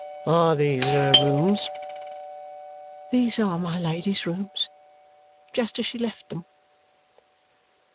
"Are these her rooms?" "These are my Lady's rooms, just as she left them."